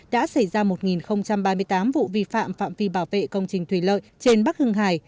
đã xảy ra một ba mươi tám vụ vi phạm phạm vi bảo vệ công trình thủy lợi trên bắc hưng hải